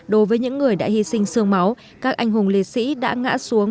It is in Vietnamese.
đối với những người đã hy sinh sương máu các anh hùng liệt sĩ đã ngã xuống